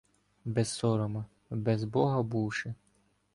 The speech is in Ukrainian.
Без сорома, без бога бувши